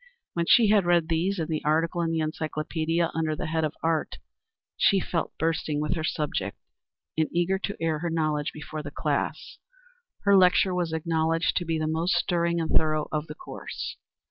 When she had read these and the article in the encyclopædia under the head of Art, she felt bursting with her subject and eager to air her knowledge before the class. Her lecture was acknowledged to be the most stirring and thorough of the course.